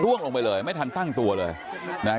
ร่วมลงไปเลยไม่ทันตั้งตัวเลย